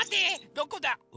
どこだ？